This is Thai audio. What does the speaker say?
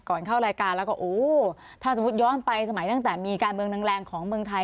เข้ารายการแล้วก็โอ้ถ้าสมมุติย้อนไปสมัยตั้งแต่มีการเมืองแรงของเมืองไทย